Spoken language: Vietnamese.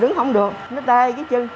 đứng không được nó tê cái chân